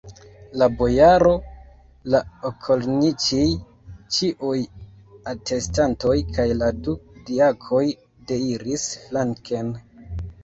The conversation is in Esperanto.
La bojaro, la okolniĉij, ĉiuj atestantoj kaj la du diakoj deiris flanken.